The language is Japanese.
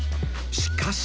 ［しかし］